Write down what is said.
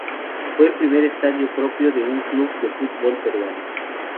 Fue el primer estadio propio de un club de fútbol peruano.